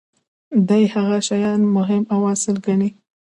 دي هغه شیان مهم او اصیل ګڼي.